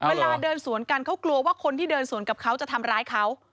เวลาเดินสวนกันเขากลัวว่าคนที่เดินสวนกับเขาจะทำร้ายเขา